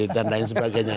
dan lain sebagainya